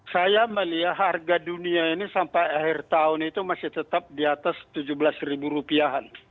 saya melihat harga dunia ini sampai akhir tahun itu masih tetap di atas tujuh belas ribu rupiah